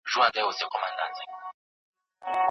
زېری به راسي د پسرلیو